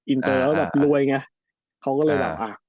อินเตอร์แล้วแบบรวยไงเขาก็เลยแบบอ่ะ